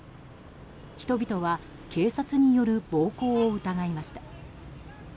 人々は警察による暴行を疑いました。